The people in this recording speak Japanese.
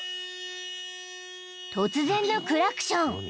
［突然のクラクション。